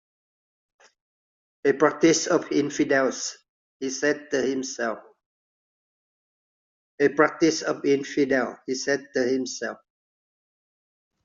"A practice of infidels," he said to himself.